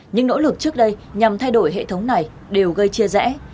những nỗ lực trước đây nhằm thay đổi hệ thống này đều gây chia rẽ